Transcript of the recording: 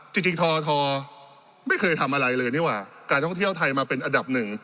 จริงททไม่เคยทำอะไรเลยนี่ว่าการท่องเที่ยวไทยมาเป็นอันดับหนึ่ง